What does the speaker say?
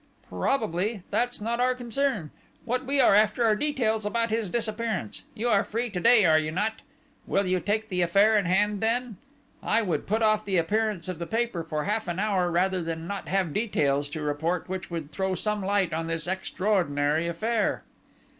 "Probably. That is not our concern. What we are after are details about his disappearance. You are free to day, are you not? Will you take the affair in hand then? I would put off the appearance of the paper for half an hour rather than not have details to report which would throw some light on this extraordinary affair."